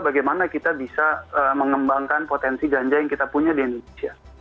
bagaimana kita bisa mengembangkan potensi ganja yang kita punya di indonesia